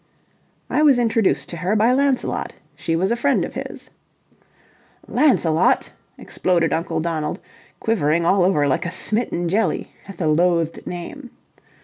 "I was introduced to her by Lancelot. She was a friend of his." "Lancelot!" exploded Uncle Donald, quivering all over like a smitten jelly at the loathed name.